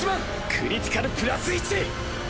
クリティカルプラス１！